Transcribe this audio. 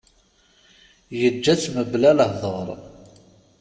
Yeǧǧa-tt mebla lehdur.